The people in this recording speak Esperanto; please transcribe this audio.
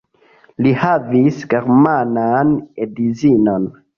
Li havis germanan edzinon.